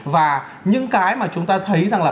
và những cái mà chúng ta thấy rằng là